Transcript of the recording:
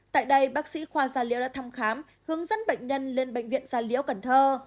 tại đây bác sĩ khoa gia liễu đã thăm khám hướng dẫn bệnh nhân lên bệnh viện gia liễu cần thơ